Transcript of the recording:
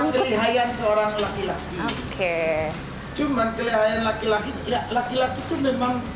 hanya sebuah kelihayan seorang laki laki oke cuman kelihayan laki laki laki laki itu memang